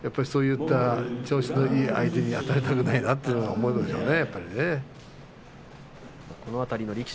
そういった調子のいい相手にあたりたくないというふうに思うでしょうね。